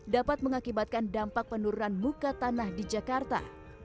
dapat mengakibatkan dampak penurunan muka tanah di jakarta